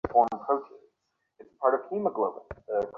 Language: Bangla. প্রতি মাসে পাঁচ থেকে আটজন প্রসূতির জরুরি অস্ত্রোপচার করা হতো এখানে।